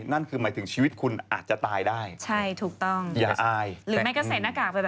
นั่นคือหมายถึงชีวิตคุณอาจจะตายมากนี้